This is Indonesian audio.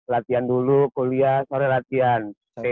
latihan dulu kuliah sore latihan